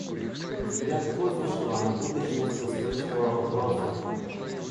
Взгляд Кознышева на будущность восточного вопроса.